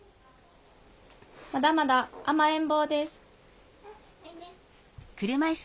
まだまだ甘えん坊ですおいで。